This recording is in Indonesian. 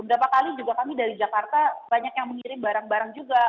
berapa kali juga kami dari jakarta banyak yang mengirim barang barang juga